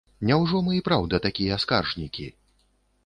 Няўжо мы і праўда такія скаржнікі?